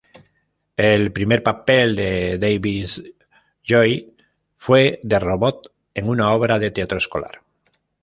El primer papel de David-Lloyd fue de robot en una obra de teatro escolar.